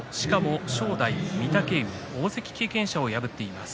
しかも正代と御嶽海大関経験者を破っています。